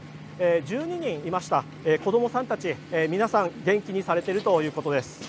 １２人いました子どもさんたち皆さん、元気にされているということです。